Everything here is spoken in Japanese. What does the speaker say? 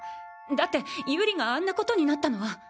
だってゆりがあんなことになったのは。